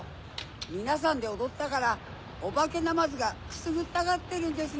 みなさんでおどったからオバケナマズがくすぐったがってるんですね！